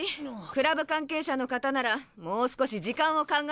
クラブ関係者の方ならもう少し時間を考えて電話を。